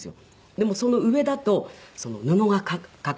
でもその上だと布がかかっているんですよ。